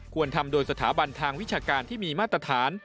ควรทำโดยสถาบันทางวิชาการที่มีมาตรฐาน